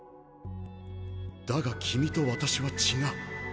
だが君と私は違う。